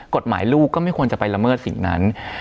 กฎหมายลูกก็ไม่ควรจะไปละเมิดสิ่งนั้น